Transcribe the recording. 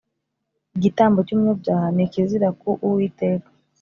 igitambo cy umunyabyaha ni ikizira ku uwiteka